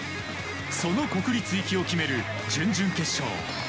その国立行きを決める準々決勝。